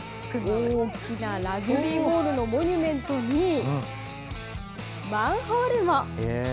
大きなラグビーボールのモニュメントに、マンホールも。